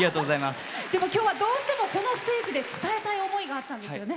今日はどうしてもこのステージで伝えたい思いがあったんですよね。